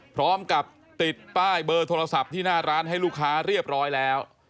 พร้อมกับติดป้ายเบอร์โทรศัพท์ที่หน้าร้านให้ลูกค้าเรียบร้อยแล้ว